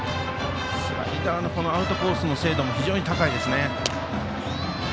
スライダーのアウトコースの精度も非常に高いですね。